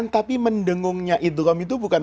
tapi mendengungnya idhram itu bukan